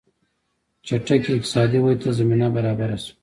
چټکې اقتصادي ودې ته زمینه برابره شوه.